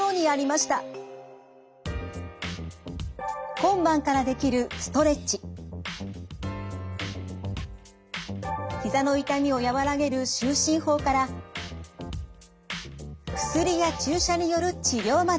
今晩からできるひざの痛みを和らげる就寝法から薬や注射による治療まで。